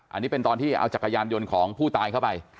อันนี้เป็นตอนที่เอาจักรยานยนต์ของผู้ตายเข้าไป